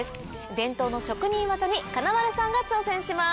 伝統の職人技に金丸さんが挑戦します。